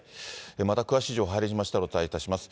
また、詳しい情報入りましたら、お伝えいたします。